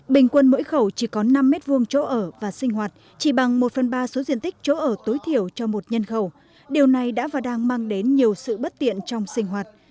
bình quân mỗi khẩu chỉ có năm m hai chỗ ở và sinh hoạt chỉ bằng một phần ba số diện tích chỗ ở tối thiểu cho một nhân khẩu điều này đã và đang mang đến nhiều sự bất tiện trong sinh hoạt